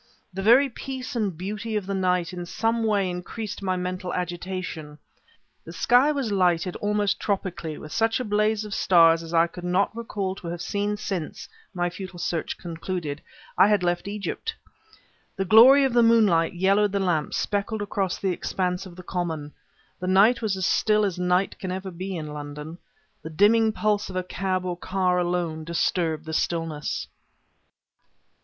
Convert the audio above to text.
The very peace and beauty of the night in some way increased my mental agitation. The sky was lighted almost tropically with such a blaze of stars as I could not recall to have seen since, my futile search concluded, I had left Egypt. The glory of the moonlight yellowed the lamps speckled across the expanse of the common. The night was as still as night can ever be in London. The dimming pulse of a cab or car alone disturbed the stillness.